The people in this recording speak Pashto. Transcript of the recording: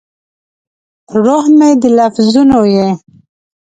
روح مې د لفظونو یې